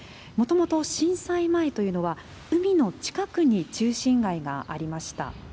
もともと震災前というのは、海の近くに中心街がありました。